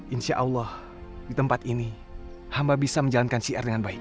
insya allah di tempat ini hamba bisa menjalankan syiar dengan baik